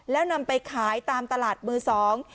แล้วนำไปขายตามตลาดมือสอง